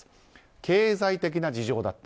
経済的な事情だった。